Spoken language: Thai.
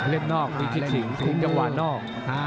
เล่นนอกพีชสิงจะหวานนอก